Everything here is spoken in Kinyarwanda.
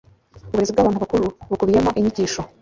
Uburezi bw abantu bakuru bukubiyemo inyigisho